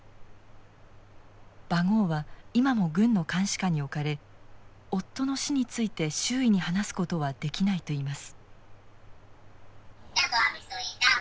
バゴーは今も軍の監視下に置かれ夫の死について周囲に話すことはできないといいます。